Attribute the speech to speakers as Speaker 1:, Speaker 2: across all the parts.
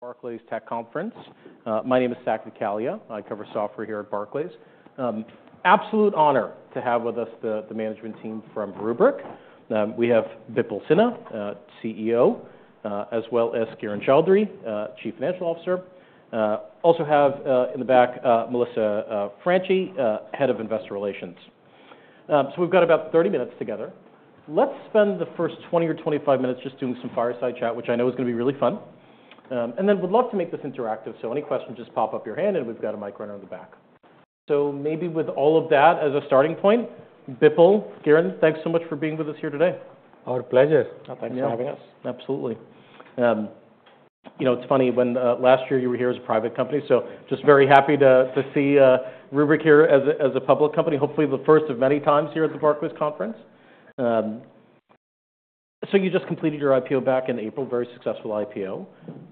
Speaker 1: Barclays Tech Conference. My name is Saket Kalia. I cover software here at Barclays. Absolute honor to have with us the management team from Rubrik. We have Bipul Sinha, CEO, as well as Kiran Choudary, Chief Financial Officer. We also have, in the back, Melissa Franchi, Head of Investor Relations. So we've got about 30 minutes together. Let's spend the first 20 or 25 minutes just doing some fireside chat, which I know is gonna be really fun, and then we'd love to make this interactive, so any questions just put up your hand, and we've got a mic runner in the back, so maybe with all of that as a starting point, Bipul, Kiran, thanks so much for being with us here today.
Speaker 2: Our pleasure. Oh, thanks for having us.
Speaker 1: Absolutely. You know, it's funny when last year you were here as a private company, so just very happy to see Rubrik here as a public company. Hopefully the first of many times here at the Barclays Conference. So you just completed your IPO back in April, very successful IPO.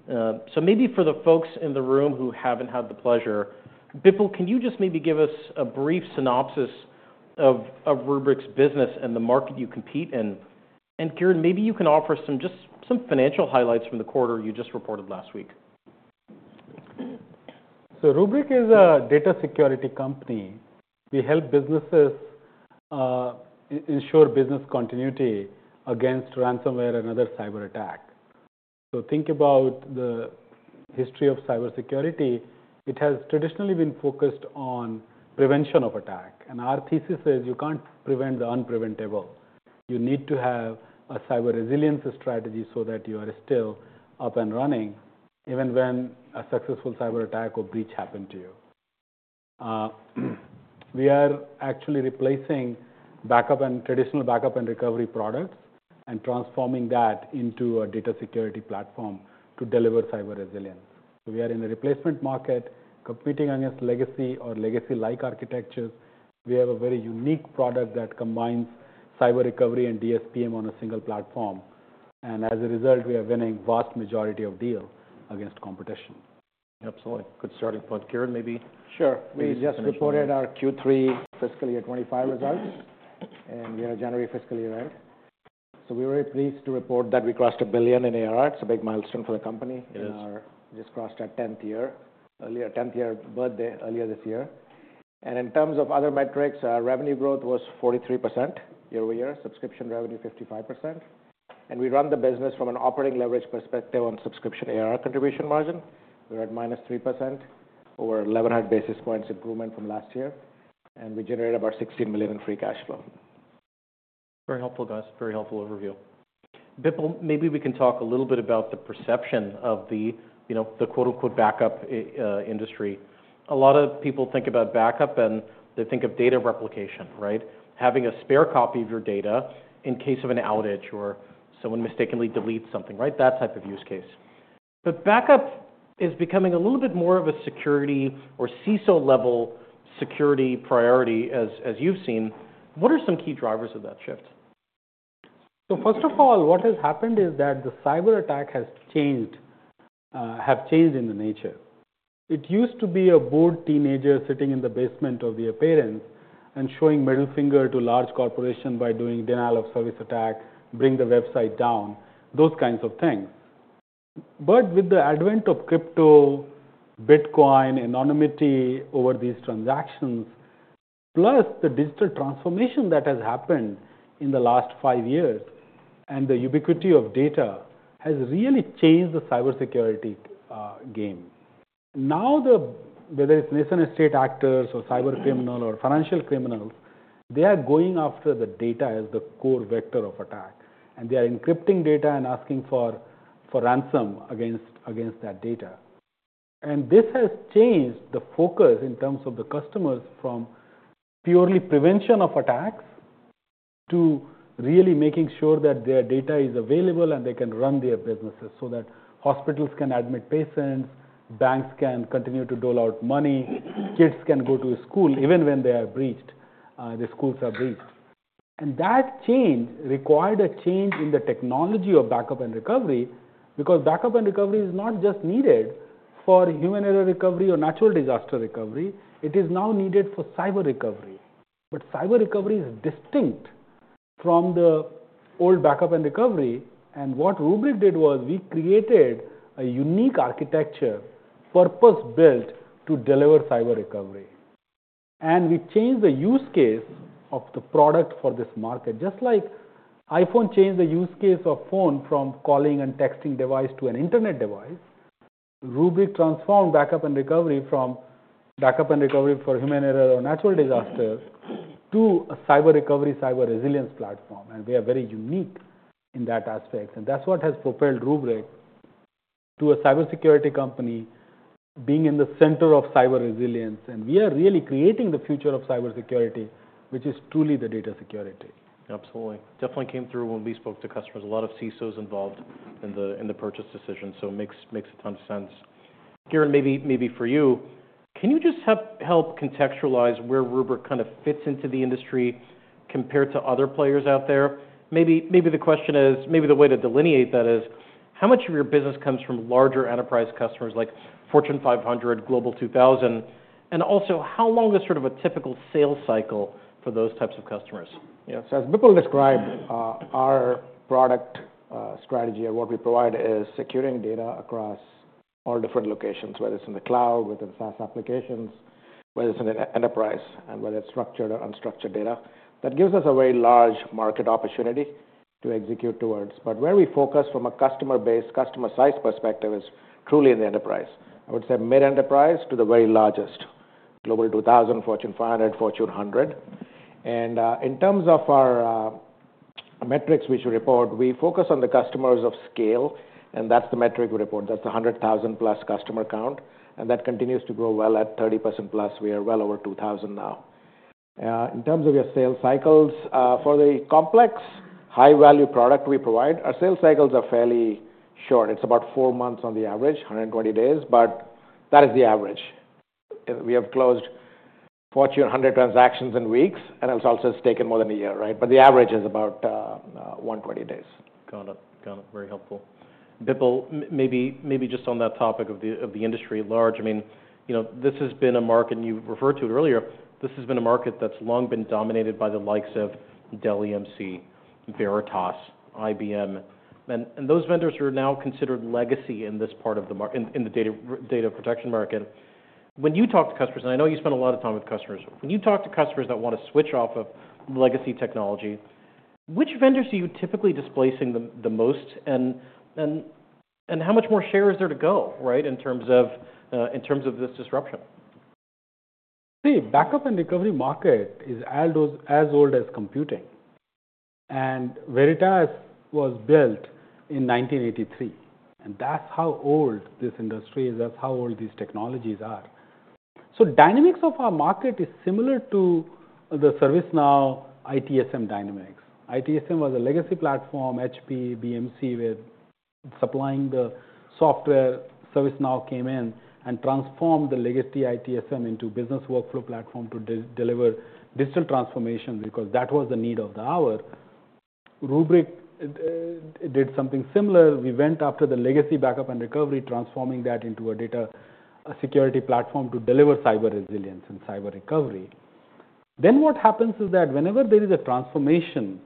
Speaker 1: So maybe for the folks in the room who haven't had the pleasure, Bipul, can you just maybe give us a brief synopsis of Rubrik's business and the market you compete in? And Kiran, maybe you can offer us some financial highlights from the quarter you just reported last week.
Speaker 2: So Rubrik is a data security company. We help businesses ensure business continuity against ransomware and other cyber attacks. So think about the history of cybersecurity. It has traditionally been focused on prevention of attack. And our thesis is you can't prevent the unpreventable. You need to have a cyber resilience strategy so that you are still up and running even when a successful cyber attack or breach happens to you. We are actually replacing backup and traditional backup and recovery products and transforming that into a data security platform to deliver cyber resilience. So we are in a replacement market, competing against legacy or legacy-like architectures. We have a very unique product that combines cyber recovery and DSPM on a single platform. And as a result, we are winning the vast majority of deals against competition.
Speaker 1: Absolutely. Good starting point. Kiran, maybe?
Speaker 3: Sure. We just reported our Q3 fiscal year 2025 results, and we are January fiscal year, right? So we're very pleased to report that we crossed $1 billion in ARR. It's a big milestone for the company.
Speaker 1: It is.
Speaker 3: We just crossed our 10th year birthday earlier this year. In terms of other metrics, our revenue growth was 43% year-over-year, subscription revenue 55%. We run the business from an operating leverage perspective on subscription ARR contribution margin. We're at -3%, over 1,100 basis points improvement from last year. We generated about $16 million in free cash flow.
Speaker 1: Very helpful, guys. Very helpful overview. Bipul, maybe we can talk a little bit about the perception of the, you know, the quote-unquote backup industry. A lot of people think about backup, and they think of data replication, right? Having a spare copy of your data in case of an outage or someone mistakenly deletes something, right? That type of use case. But backup is becoming a little bit more of a security or CISO-level security priority as, as you've seen. What are some key drivers of that shift?
Speaker 2: First of all, what has happened is that the cyber attack has changed in nature. It used to be a bored teenager sitting in the basement of their parents and showing middle finger to large corporations by doing denial of service attack, bring the website down, those kinds of things. But with the advent of crypto, Bitcoin, anonymity over these transactions, plus the digital transformation that has happened in the last five years and the ubiquity of data has really changed the cybersecurity game. Now whether it's nation-state actors or cyber criminals or financial criminals, they are going after the data as the core vector of attack. And they are encrypting data and asking for ransom against that data. And this has changed the focus in terms of the customers from purely prevention of attacks to really making sure that their data is available and they can run their businesses so that hospitals can admit patients, banks can continue to dole out money, kids can go to school even when they are breached, the schools are breached. And that change required a change in the technology of backup and recovery because backup and recovery is not just needed for human error recovery or natural disaster recovery. It is now needed for cyber recovery. But cyber recovery is distinct from the old backup and recovery. And what Rubrik did was we created a unique architecture purpose-built to deliver cyber recovery. And we changed the use case of the product for this market. Just like iPhone changed the use case of phone from calling and texting device to an internet device, Rubrik transformed backup and recovery from backup and recovery for human error or natural disaster to a cyber recovery, cyber resilience platform, and we are very unique in that aspect, and that's what has propelled Rubrik to a cybersecurity company being in the center of cyber resilience, and we are really creating the future of cybersecurity, which is truly the data security.
Speaker 1: Absolutely. Definitely came through when we spoke to customers. A lot of CISOs involved in the purchase decision, so it makes a ton of sense. Kiran, maybe for you, can you just help contextualize where Rubrik kind of fits into the industry compared to other players out there? Maybe the way to delineate that is how much of your business comes from larger enterprise customers like Fortune 500, Global 2000? And also, how long is sort of a typical sales cycle for those types of customers?
Speaker 3: Yeah. So as Bipul described, our product, strategy or what we provide is securing data across all different locations, whether it's in the cloud, within SaaS applications, whether it's in an enterprise, and whether it's structured or unstructured data. That gives us a very large market opportunity to execute towards. But where we focus from a customer-based, customer-sized perspective is truly in the enterprise. I would say mid-enterprise to the very largest, Global 2000, Fortune 500, Fortune 100. And in terms of our metrics we should report, we focus on the customers of scale, and that's the metric we report. That's the 100,000-plus customer count. And that continues to grow well at 30% plus. We are well over 2,000 now. In terms of your sales cycles, for the complex high-value product we provide, our sales cycles are fairly short. It's about four months on the average, 120 days, but that is the average. And we have closed Fortune 100 transactions in weeks, and it's also taken more than a year, right? But the average is about 120 days.
Speaker 1: Got it. Got it. Very helpful. Bipul, maybe, maybe just on that topic of the, of the industry at large, I mean, you know, this has been a market, and you referred to it earlier, this has been a market that's long been dominated by the likes of Dell EMC, Veritas, IBM. And, and those vendors are now considered legacy in this part of the market, in, in the data, data protection market. When you talk to customers, and I know you spend a lot of time with customers, when you talk to customers that want to switch off of legacy technology, which vendors are you typically displacing the, the most? And, and, and how much more share is there to go, right, in terms of, in terms of this disruption?
Speaker 2: See, the backup and recovery market is as old as computing, and Veritas was built in 1983, and that's how old this industry is. That's how old these technologies are, so the dynamics of our market is similar to the ServiceNow ITSM dynamics. ITSM was a legacy platform, HP, BMC were supplying the software. ServiceNow came in and transformed the legacy ITSM into a business workflow platform to deliver digital transformation because that was the need of the hour. Rubrik did something similar. We went after the legacy backup and recovery, transforming that into a data, a security platform to deliver cyber resilience and cyber recovery, then what happens is that whenever there is a transformation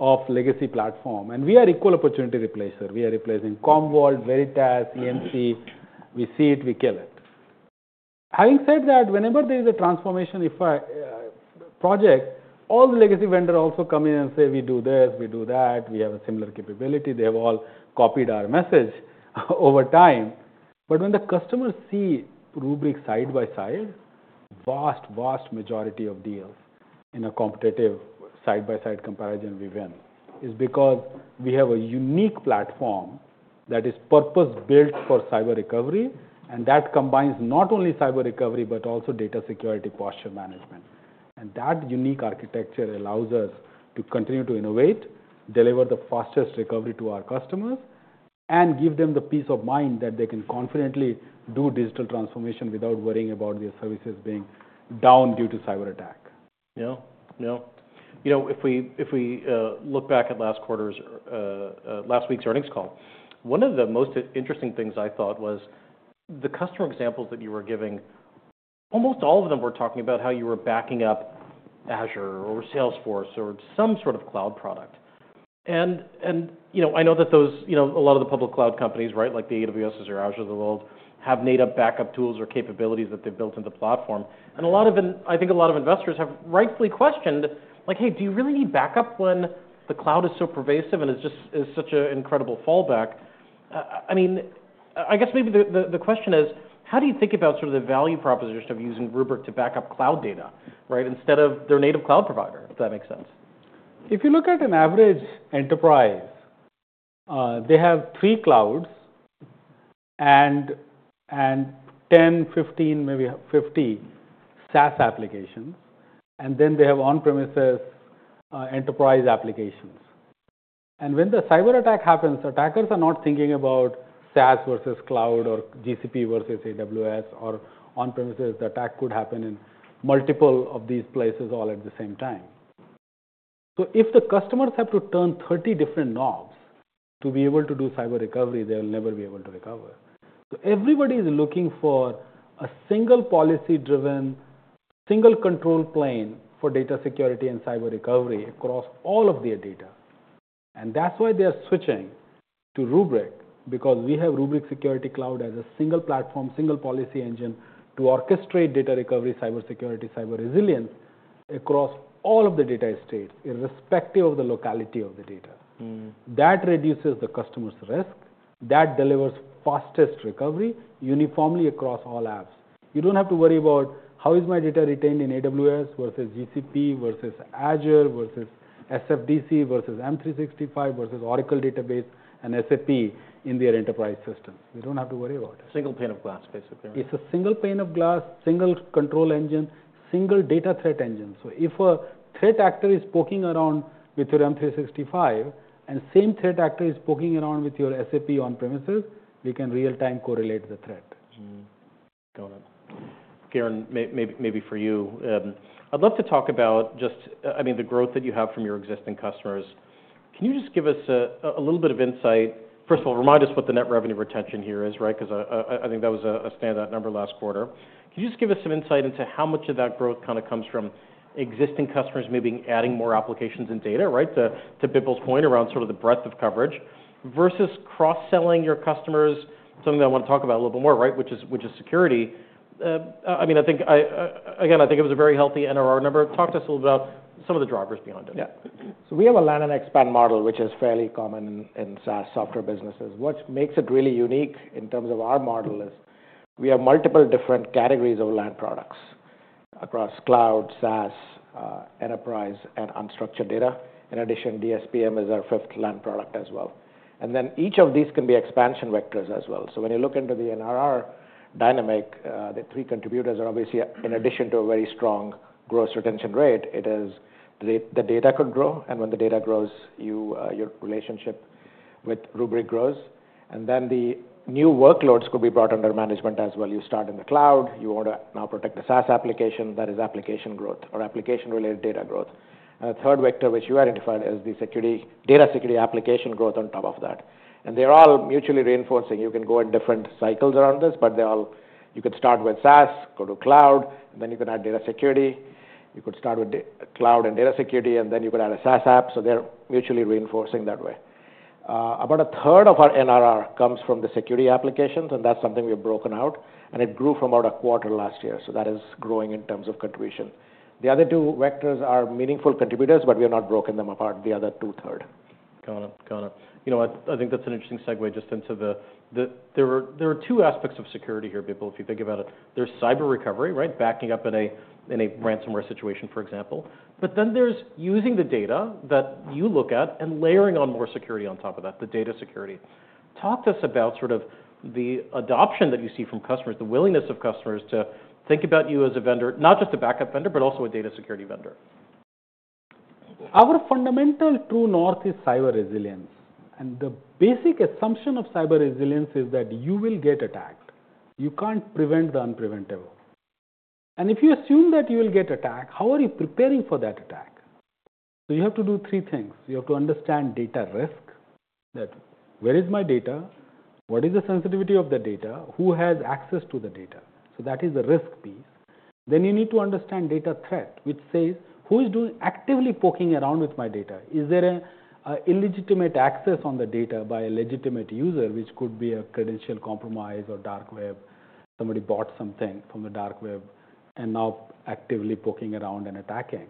Speaker 2: of the legacy platform, and we are an equal opportunity replacer. We are replacing Commvault, Veritas, EMC. We see it, we kill it. Having said that, whenever there is a transformation, if a project, all the legacy vendors also come in and say, "We do this, we do that, we have a similar capability." They have all copied our message over time. But when the customers see Rubrik side by side, vast, vast majority of deals in a competitive side-by-side comparison, we win, is because we have a unique platform that is purpose-built for cyber recovery, and that combines not only cyber recovery but also data security posture management. And that unique architecture allows us to continue to innovate, deliver the fastest recovery to our customers, and give them the peace of mind that they can confidently do digital transformation without worrying about their services being down due to cyber attack.
Speaker 1: You know, if we look back at last quarter's, last week's earnings call, one of the most interesting things I thought was the customer examples that you were giving. Almost all of them were talking about how you were backing up Azure or Salesforce or some sort of cloud product. And you know, I know that those, you know, a lot of the public cloud companies, right, like the AWSs or Azure of the world, have native backup tools or capabilities that they've built into the platform. I think a lot of investors have rightfully questioned, like, "Hey, do you really need backup when the cloud is so pervasive and is such an incredible fallback?" I mean, I guess maybe the question is, how do you think about sort of the value proposition of using Rubrik to back up cloud data, right, instead of their native cloud provider, if that makes sense?
Speaker 2: If you look at an average enterprise, they have three clouds and 10, 15, maybe 50 SaaS applications, and then they have on-premises, enterprise applications. And when the cyber attack happens, attackers are not thinking about SaaS versus cloud or GCP versus AWS or on-premises. The attack could happen in multiple of these places all at the same time. So if the customers have to turn 30 different knobs to be able to do cyber recovery, they'll never be able to recover. So everybody is looking for a single policy-driven, single control plane for data security and cyber recovery across all of their data. And that's why they are switching to Rubrik because we have Rubrik Security Cloud as a single platform, single policy engine to orchestrate data recovery, cybersecurity, cyber resilience across all of the data estates irrespective of the locality of the data. That reduces the customer's risk. That delivers fastest recovery uniformly across all apps. You don't have to worry about how is my data retained in AWS versus GCP versus Azure versus SFDC versus M365 versus Oracle Database and SAP in their enterprise systems. You don't have to worry about it.
Speaker 1: Single pane of glass, basically.
Speaker 2: It's a single pane of glass, single control engine, single data threat engine. So if a threat actor is poking around with your M365 and the same threat actor is poking around with your SAP on-premises, we can real-time correlate the threat.
Speaker 1: Got it. Kiran, maybe for you, I'd love to talk about just, I mean, the growth that you have from your existing customers. Can you just give us a little bit of insight? First of all, remind us what the net revenue retention here is, right? 'Cause I think that was a standout number last quarter. Can you just give us some insight into how much of that growth kind of comes from existing customers maybe adding more applications and data, right, to Bipul's point around sort of the breadth of coverage versus cross-selling your customers? Something I want to talk about a little bit more, right, which is security. I mean, I think, again, I think it was a very healthy NRR number. Talk to us a little bit about some of the drivers behind it.
Speaker 3: Yeah. So we have a land and expand model, which is fairly common in SaaS software businesses. What makes it really unique in terms of our model is we have multiple different categories of land products across cloud, SaaS, enterprise, and unstructured data. In addition, DSPM is our fifth land product as well. And then each of these can be expansion vectors as well. So when you look into the NRR dynamic, the three contributors are obviously, in addition to a very strong gross retention rate, it is the data could grow. And when the data grows, your relationship with Rubrik grows. And then the new workloads could be brought under management as well. You start in the cloud. You want to now protect the SaaS application. That is application growth or application-related data growth. The third vector, which you identified, is the security, data security application growth on top of that. They're all mutually reinforcing. You can go in different cycles around this, but they all, you could start with SaaS, go to cloud, and then you could add data security. You could start with cloud and data security, and then you could add a SaaS app. So they're mutually reinforcing that way. About a third of our NRR comes from the security applications, and that's something we have broken out. It grew for about a quarter last year. So that is growing in terms of contribution. The other two vectors are meaningful contributors, but we have not broken them apart, the other two-thirds.
Speaker 1: Got it. You know, I think that's an interesting segue just into the there were two aspects of security here, Bipul, if you think about it. There's cyber recovery, right, backing up in a ransomware situation, for example. But then there's using the data that you look at and layering on more security on top of that, the data security. Talk to us about sort of the adoption that you see from customers, the willingness of customers to think about you as a vendor, not just a backup vendor, but also a data security vendor.
Speaker 2: Our fundamental true north is cyber resilience and the basic assumption of cyber resilience is that you will get attacked. You can't prevent the unpreventable and if you assume that you will get attacked, how are you preparing for that attack, so you have to do three things. You have to understand data risk, that where is my data, what is the sensitivity of the data, who has access to the data, so that is the risk piece, then you need to understand data threat, which says who is doing actively poking around with my data. Is there a illegitimate access on the data by a legitimate user, which could be a credential compromise or dark web, somebody bought something from the dark web and now actively poking around and attacking.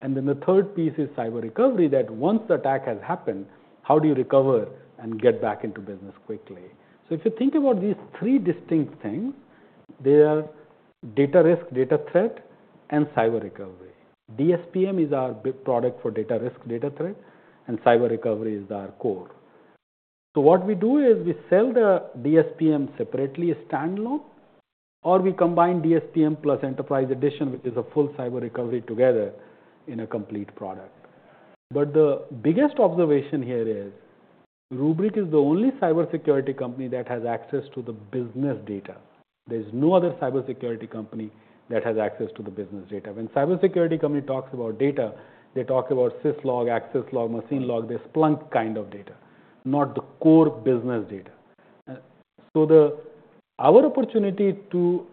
Speaker 2: And then the third piece is cyber recovery, that once the attack has happened, how do you recover and get back into business quickly. So if you think about these three distinct things, they are data risk, data threat, and cyber recovery. DSPM is our big product for data risk, data threat, and cyber recovery is our core. So what we do is we sell the DSPM separately, standalone, or we combine DSPM plus Enterprise Edition, which is a full cyber recovery together in a complete product. But the biggest observation here is Rubrik is the only cybersecurity company that has access to the business data. There's no other cybersecurity company that has access to the business data. When a cybersecurity company talks about data, they talk about syslog, access log, machine log, Splunk kind of data, not the core business data. Our opportunity to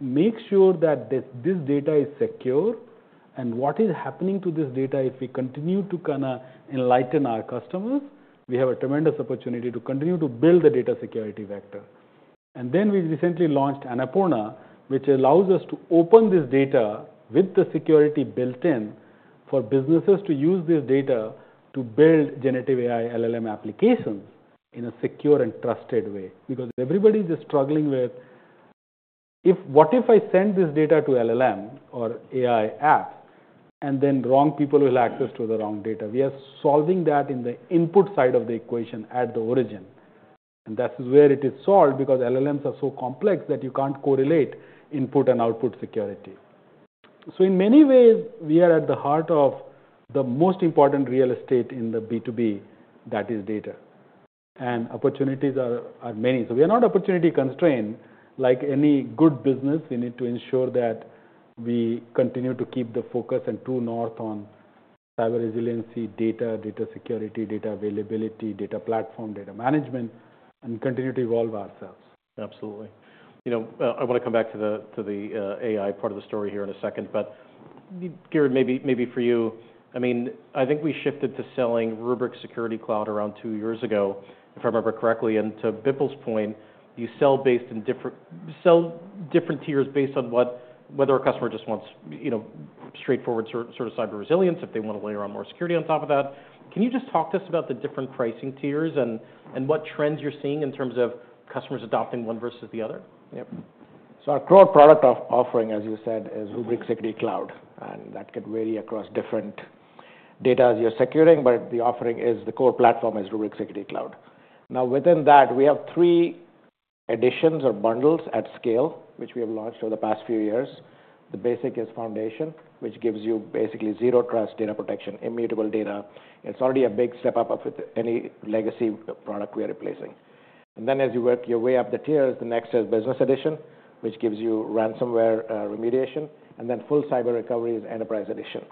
Speaker 2: make sure that this data is secure and what is happening to this data, if we continue to kind of enlighten our customers, we have a tremendous opportunity to continue to build the data security vector. We recently launched Annapurna, which allows us to open this data with the security built-in for businesses to use this data to build generative AI LLM applications in a secure and trusted way because everybody is just struggling with what if I send this data to LLM or AI app and then wrong people will have access to the wrong data. We are solving that in the input side of the equation at the origin. That's where it is solved because LLMs are so complex that you can't correlate input and output security. So in many ways, we are at the heart of the most important real estate in the B2B, that is data. And opportunities are many. So we are not opportunity constrained like any good business. We need to ensure that we continue to keep the focus and true north on cyber resiliency, data, data security, data availability, data platform, data management, and continue to evolve ourselves.
Speaker 1: Absolutely. You know, I want to come back to the AI part of the story here in a second. But, Kiran, maybe for you, I mean, I think we shifted to selling Rubrik Security Cloud around two years ago, if I remember correctly. And to Bipul's point, you sell different tiers based on what, whether a customer just wants, you know, straightforward sort of cyber resilience, if they want to layer on more security on top of that. Can you just talk to us about the different pricing tiers and what trends you're seeing in terms of customers adopting one versus the other?
Speaker 3: Yep. So our core product offering, as you said, is Rubrik Security Cloud, and that could vary across different data as you're securing, but the offering is the core platform is Rubrik Security Cloud. Now within that, we have three additions or bundles at scale, which we have launched over the past few years. The basic is Foundation, which gives you basically zero trust data protection, immutable data. It's already a big step up with any legacy product we are replacing, and then as you work your way up the tiers, the next is Business Edition, which gives you ransomware remediation, and then full cyber recovery is Enterprise Edition,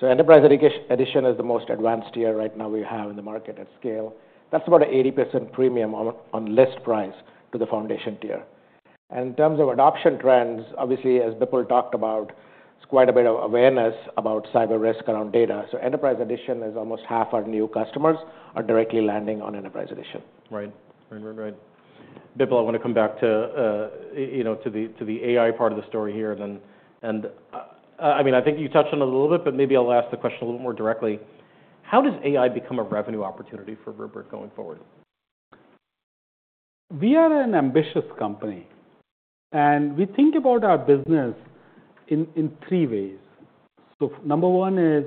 Speaker 3: so Enterprise Edition is the most advanced tier right now we have in the market at scale. That's about an 80% premium on list price to the Foundation tier. And in terms of adoption trends, obviously, as Bipul talked about, it's quite a bit of awareness about cyber risk around data. So, Enterprise Edition is almost half our new customers are directly landing on Enterprise Edition.
Speaker 1: Right. Right, right, right. Bipul, I want to come back to, you know, to the AI part of the story here. And then, I mean, I think you touched on it a little bit, but maybe I'll ask the question a little bit more directly. How does AI become a revenue opportunity for Rubrik going forward?
Speaker 2: We are an ambitious company, and we think about our business in three ways. So number one is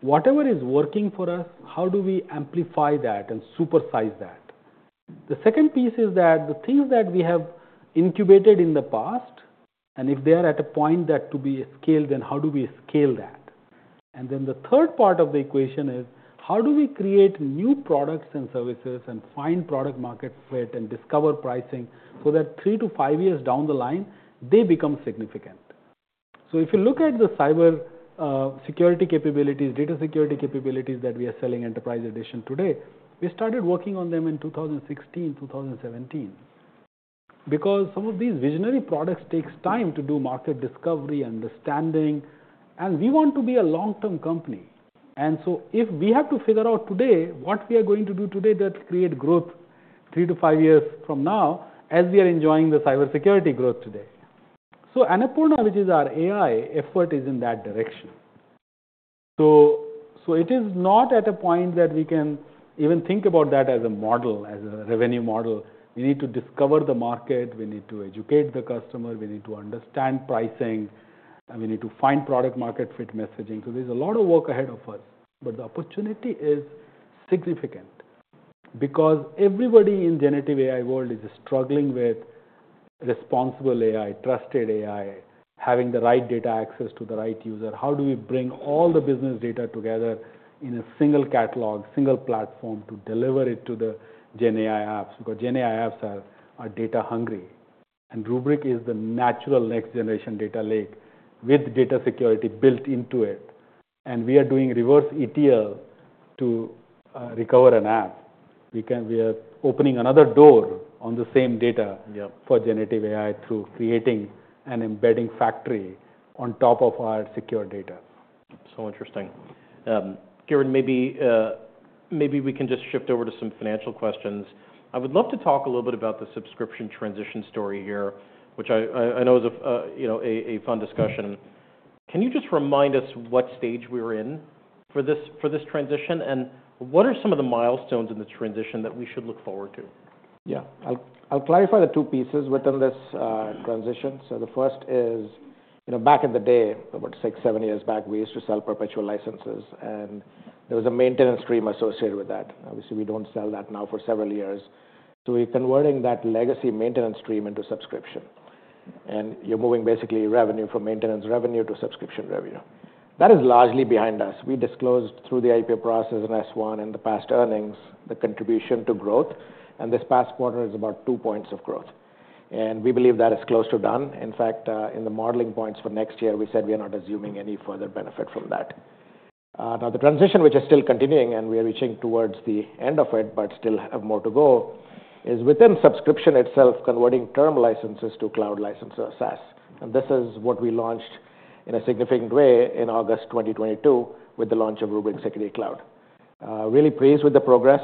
Speaker 2: whatever is working for us, how do we amplify that and supersize that? The second piece is that the things that we have incubated in the past, and if they are at a point that to be scaled, then how do we scale that? And then the third part of the equation is how do we create new products and services and find product market fit and discover pricing so that three to five years down the line, they become significant? So if you look at the cyber security capabilities, data security capabilities that we are selling Enterprise Edition today, we started working on them in 2016, 2017 because some of these visionary products take time to do market discovery, understanding, and we want to be a long-term company. And so if we have to figure out today what we are going to do today that creates growth three to five years from now as we are enjoying the cybersecurity growth today. So Annapurna, which is our AI effort, is in that direction. So, so it is not at a point that we can even think about that as a model, as a revenue model. We need to discover the market. We need to educate the customer. We need to understand pricing, and we need to find product market fit messaging. So there's a lot of work ahead of us. But the opportunity is significant because everybody in the generative AI world is struggling with responsible AI, trusted AI, having the right data access to the right user. How do we bring all the business data together in a single catalog, single platform to deliver it to the Gen AI apps? Because Gen AI apps are data hungry. And Rubrik is the natural next generation data lake with data security built into it. And we are doing reverse ETL to recover an app. We are opening another door on the same data.
Speaker 1: Yep.
Speaker 2: For generative AI through creating an embedding factory on top of our secure data.
Speaker 1: So interesting. Kiran, maybe we can just shift over to some financial questions. I would love to talk a little bit about the subscription transition story here, which I know is a, you know, a fun discussion. Can you just remind us what stage we were in for this transition? And what are some of the milestones in the transition that we should look forward to?
Speaker 3: Yeah. I'll clarify the two pieces within this transition. So the first is, you know, back in the day, about six, seven years back, we used to sell perpetual licenses, and there was a maintenance stream associated with that. Obviously, we don't sell that now for several years. So we're converting that legacy maintenance stream into subscription. And you're moving basically revenue from maintenance revenue to subscription revenue. That is largely behind us. We disclosed through the IPO process and S-1 and the past earnings the contribution to growth. And this past quarter is about two points of growth. And we believe that is close to done. In fact, in the modeling points for next year, we said we are not assuming any further benefit from that. Now, the transition, which is still continuing, and we are reaching towards the end of it, but still have more to go, is within subscription itself, converting term licenses to cloud licenses or SaaS and this is what we launched in a significant way in August 2022 with the launch of Rubrik Security Cloud. Really pleased with the progress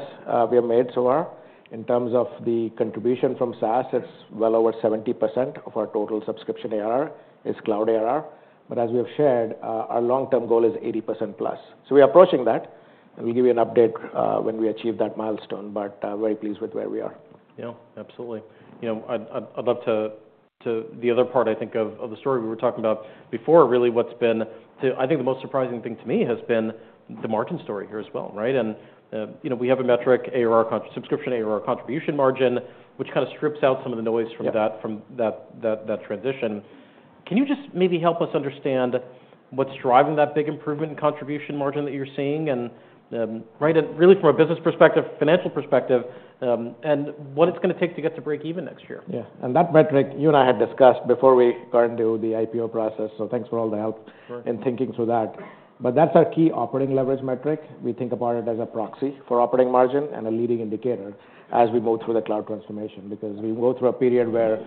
Speaker 3: we have made so far. In terms of the contribution from SaaS, it's well over 70% of our total subscription ARR is cloud ARR, but as we have shared, our long-term goal is 80% plus, so we are approaching that and we'll give you an update when we achieve that milestone, but very pleased with where we are.
Speaker 1: Yeah. Absolutely. You know, I'd love to the other part, I think, of the story we were talking about before, really what's been, I think the most surprising thing to me has been the margin story here as well, right? And, you know, we have a metric, ARR, subscription ARR contribution margin, which kind of strips out some of the noise from that transition. Can you just maybe help us understand what's driving that big improvement in contribution margin that you're seeing? And right, and really from a business perspective, financial perspective, and what it's going to take to get to break even next year?
Speaker 3: Yeah. And that metric, you and I had discussed before we got into the IPO process. So thanks for all the help.
Speaker 1: Of course.
Speaker 3: In thinking through that, but that's our key operating leverage metric. We think about it as a proxy for operating margin and a leading indicator as we move through the cloud transformation because we go through a period where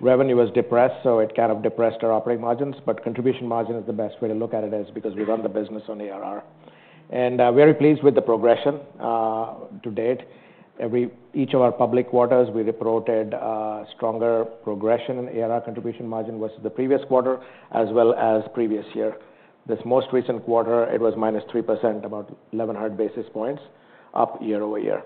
Speaker 3: revenue was depressed, so it kind of depressed our operating margins. But contribution margin is the best way to look at it as because we run the business on ARR, and very pleased with the progression to date. Every each of our public quarters we reported stronger progression in ARR contribution margin versus the previous quarter as well as previous year. This most recent quarter it was -3%, about 1,100 basis points up year-over-year,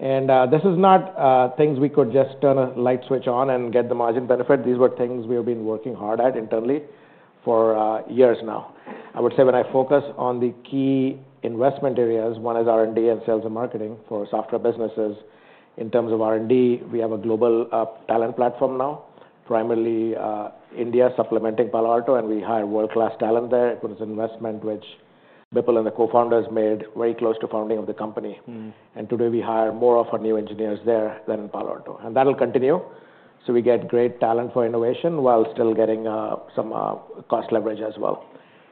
Speaker 3: and this is not things we could just turn a light switch on and get the margin benefit. These were things we have been working hard at internally for years now. I would say when I focus on the key investment areas, one is R&D and sales and marketing for software businesses. In terms of R&D, we have a global talent platform now, primarily India supplementing Palo Alto, and we hire world-class talent there. It was an investment which Bipul and the co-founders made very close to founding of the company. And today we hire more of our new engineers there than in Palo Alto. And that'll continue. So we get great talent for innovation while still getting some cost leverage as well.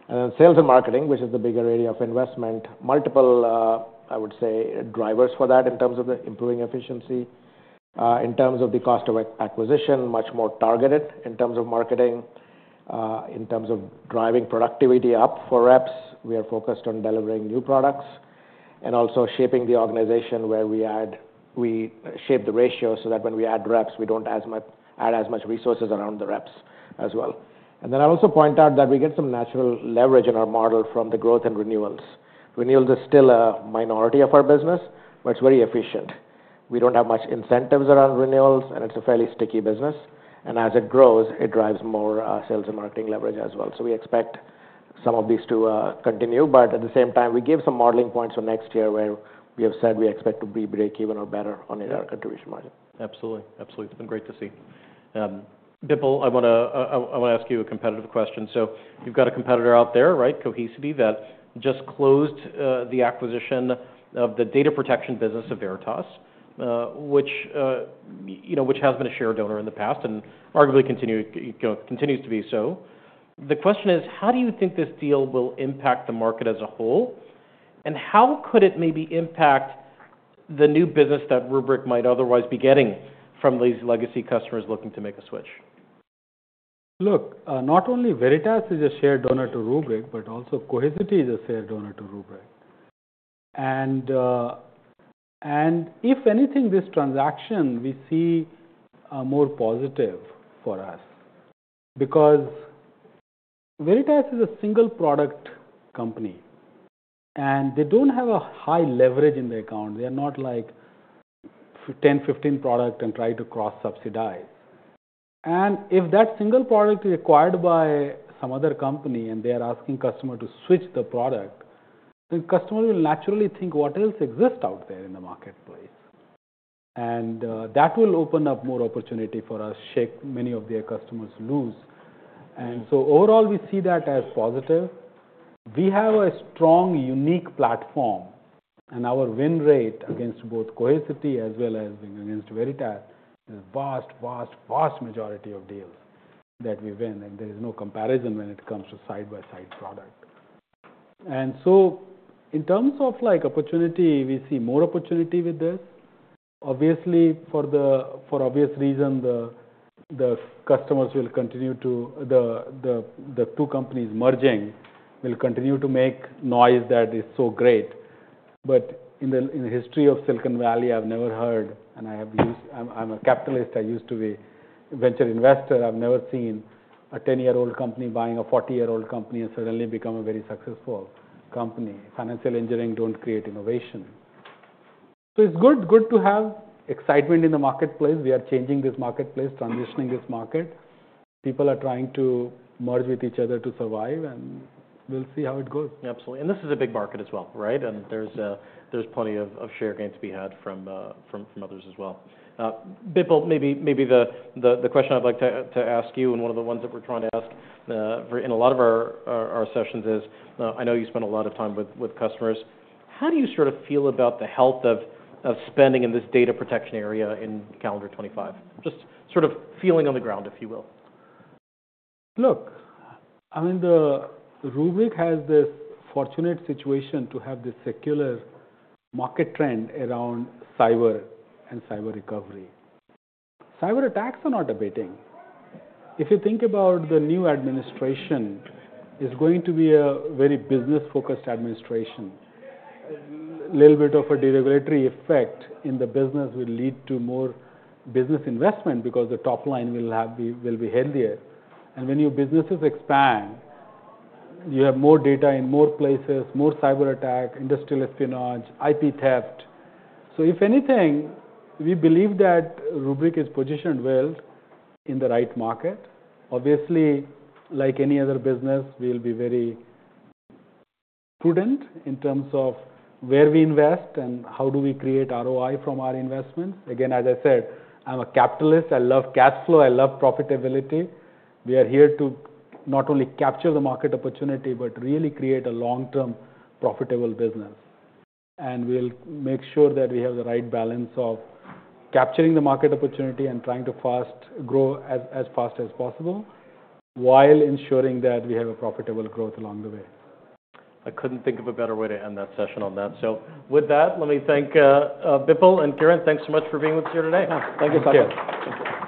Speaker 3: And then sales and marketing, which is the bigger area of investment, multiple I would say drivers for that in terms of the improving efficiency, in terms of the cost of acquisition, much more targeted in terms of marketing, in terms of driving productivity up for reps. We are focused on delivering new products and also shaping the organization where we add. We shape the ratio so that when we add reps, we don't add as much resources around the reps as well. And then I'll also point out that we get some natural leverage in our model from the growth and renewals. Renewals is still a minority of our business, but it's very efficient. We don't have much incentives around renewals, and it's a fairly sticky business. And as it grows, it drives more sales and marketing leverage as well. So we expect some of these to continue. But at the same time, we give some modeling points for next year where we have said we expect to be break even or better on ARR contribution margin.
Speaker 1: Absolutely. Absolutely. It's been great to see. Bipul, I want to, I want to ask you a competitive question, so you've got a competitor out there, right, Cohesity, that just closed the acquisition of the data protection business of Veritas, which, you know, which has been a share donor in the past and arguably continued, you know, continues to be so. The question is, how do you think this deal will impact the market as a whole, and how could it maybe impact the new business that Rubrik might otherwise be getting from these legacy customers looking to make a switch?
Speaker 2: Look, not only Veritas is a share donor to Rubrik, but also Cohesity is a share donor to Rubrik. And, and if anything, this transaction we see, more positive for us because Veritas is a single product company, and they don't have a high leverage in their account. They are not like 10, 15 products and try to cross-subsidize. And if that single product is acquired by some other company and they are asking customer to switch the product, then customer will naturally think, "What else exists out there in the marketplace?" And, that will open up more opportunity for us, shake many of their customers loose. And so overall, we see that as positive. We have a strong, unique platform, and our win rate against both Cohesity as well as against Veritas is vast, vast, vast majority of deals that we win. There is no comparison when it comes to side-by-side product. In terms of like opportunity, we see more opportunity with this. Obviously, for obvious reason, the customers will continue to. The two companies merging will continue to make noise that is so great. In the history of Silicon Valley, I've never heard, and I have used. I'm a capitalist. I used to be a venture investor. I've never seen a 10-year-old company buying a 40-year-old company and suddenly become a very successful company. Financial engineering don't create innovation. It's good to have excitement in the marketplace. We are changing this marketplace, transitioning this market. People are trying to merge with each other to survive, and we'll see how it goes.
Speaker 1: Absolutely. And this is a big market as well, right? And there's plenty of share gains to be had from others as well. Bipul, maybe the question I'd like to ask you and one of the ones that we're trying to ask for in a lot of our sessions is, I know you spend a lot of time with customers. How do you sort of feel about the health of spending in this data protection area in calendar 2025? Just sort of feeling on the ground, if you will.
Speaker 2: Look, I mean, the Rubrik has this fortunate situation to have this secular market trend around cyber and cyber recovery. Cyber attacks are not abating. If you think about the new administration, it's going to be a very business-focused administration. A little bit of a deregulatory effect in the business will lead to more business investment because the top line will have, will be healthier. And when your businesses expand, you have more data in more places, more cyber attack, industrial espionage, IP theft. So if anything, we believe that Rubrik is positioned well in the right market. Obviously, like any other business, we'll be very prudent in terms of where we invest and how do we create ROI from our investments. Again, as I said, I'm a capitalist. I love cash flow. I love profitability. We are here to not only capture the market opportunity, but really create a long-term profitable business, and we'll make sure that we have the right balance of capturing the market opportunity and trying to fast grow as fast as possible while ensuring that we have a profitable growth along the way.
Speaker 1: I couldn't think of a better way to end that session on that. So with that, let me thank Bipul and Kiran. Thanks so much for being with us here today.
Speaker 3: Thank you, sir.
Speaker 1: Was it okay?